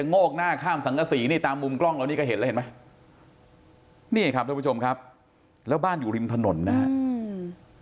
นี่ครับท่านผู้ชมครับแล้วบ้านอยู่ริมถนนนะครับ